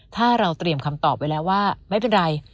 ถ้าเราเตรียมคำตอบไว้แล้วว่าไม่เป็นไร